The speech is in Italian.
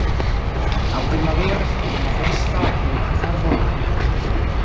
A primavera si tiene la festa della carbonaia.